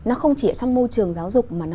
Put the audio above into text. nó không chỉ ở trong môi trường giáo dục mà nó